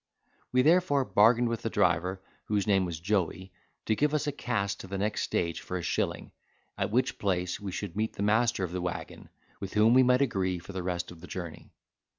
We, therefore, bargained with the driver, whose name was Joey, to give us a cast to the next stage for a shilling; at which place we should meet the master of the waggon, with whom we might agree for the rest of the journey.